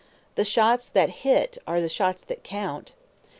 The shots that hit are the shots that count!